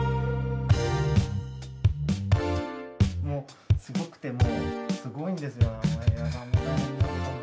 もうすごくてもうすごいんですよ。